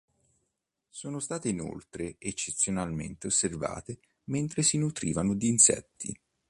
Sono state inoltre eccezionalmente osservate mentre si nutrivano d'insetti.